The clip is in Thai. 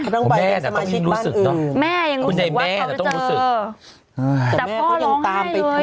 เขาต้องไปแม่แต่ต้องรู้สึกเนอะแม่ยังรู้สึกว่าเขาจะเจอแต่พ่อร้องให้เลย